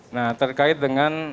nah terkait dengan